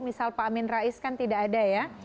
misal pak amin rais kan tidak ada ya